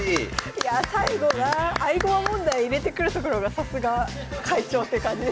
いやあ最後な合駒問題入れてくるところがさすが会長って感じですね。